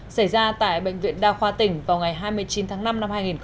xảy ra tại bệnh viện đa khoa tỉnh vào ngày hai mươi chín tháng năm năm hai nghìn một mươi ba